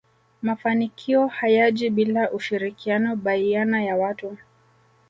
mafanikio hayaji bila ushirikiano baiana ya watu